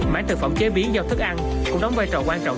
mảng thực phẩm chế biến do thức ăn cũng đóng vai trò quan trọng